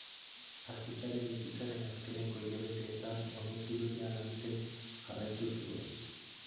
Artistaren bizitzaren azkeneko hilabeteetan honek irudia lantzen jarraitu zuen.